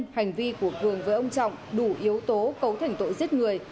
hành vi của cường với ông trọng đủ yếu tố cấu thành tội giết người